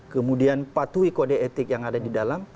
kemudian patuhi kode etik yang ada di dalam